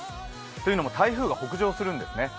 というのも台風が北上するんですね。